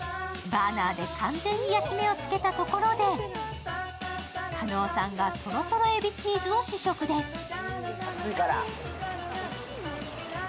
バーナーで完全に焼き目をつけたところで加納さんがトロトロエビチーズを試食です。